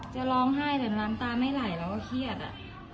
จะร้องไห้แต่น้ำตาไม่ไหลเราก็เครียดอะ